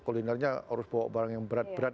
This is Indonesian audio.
kulinernya harus bawa barang yang berat berat